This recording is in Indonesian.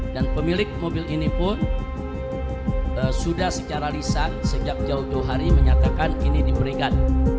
dan pemilik mobil ini pun sudah secara lisan sejak jauh dua hari menyatakan ini diberikan